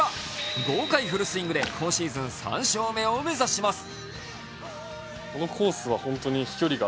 豪快フルスイングで今シーズン３勝目を目指します。